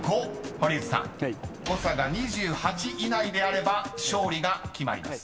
［堀内さん誤差が２８以内であれば勝利が決まります。